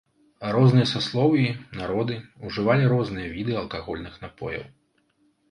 Розныя саслоўі, народы ўжывалі розныя віды алкагольных напояў.